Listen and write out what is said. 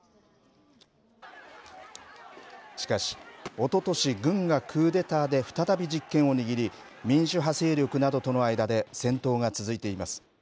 しかし、おととし軍がクーデターで再び実権を握り民主派勢力などとの間で戦闘が続いています。